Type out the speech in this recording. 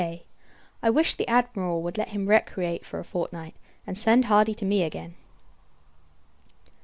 I wish the Admiral would let him recreate for a fortnight, and send Hardy to me again.